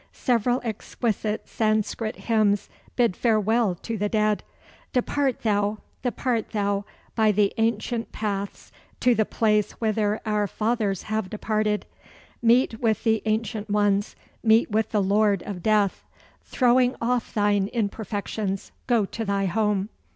Several exquisite Sanscrit hymns bid farewell to the dead: "Depart thou, depart thou by the ancient paths to the place whither our fathers have departed. Meet with the Ancient Ones; meet with the Lord of Death. Throwing off thine imperfections, go to thy home.